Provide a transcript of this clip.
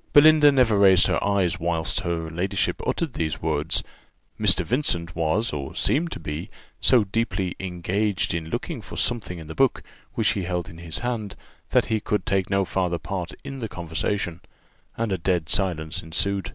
'" Belinda never raised her eyes whilst her ladyship uttered these words; Mr. Vincent was, or seemed to be, so deeply engaged in looking for something in the book, which he held in his hand, that he could take no farther part in the conversation; and a dead silence ensued.